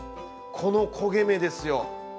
この焦げ目ですよ。